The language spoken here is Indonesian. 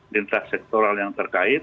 lintas sektoral yang terkait